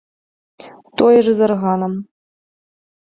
Тое ж і з арганам.